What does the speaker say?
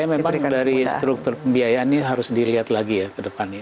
ya memang dari struktur pembiayaan ini harus dilihat lagi ya ke depannya